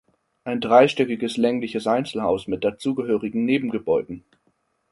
Ein dreistöckiges längliches Einzelhaus mit dazugehörigen Nebengebäuden.